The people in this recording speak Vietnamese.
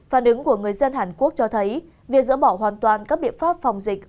phản ứng của người dân hàn quốc cho thấy việc dỡ bỏ hoàn toàn các biện pháp phòng dịch